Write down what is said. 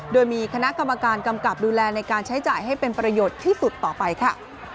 โดยมีคณะกรรมการกำกับดูแลในการใช้จ่ายให้เป็นประโยชน์ที่สุดต่อไปค่ะ